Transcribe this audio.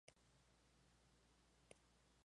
Sándor nació en Budapest.